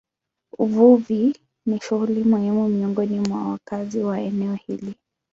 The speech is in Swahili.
Uvuvi ni shughuli muhimu miongoni mwa wakazi wa eneo hili.